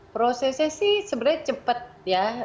prosesnya sih sebenarnya cepat ya